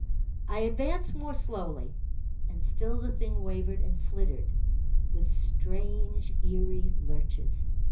I advanced more slowly, and still the thing wavered and flitted with strange eerie lurches.